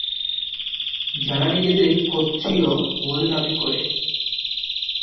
যারা নিজেদের ক্ষত্রিয় বলে দাবী করে।